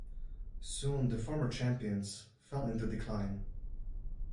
Soon the former champions fell into decline.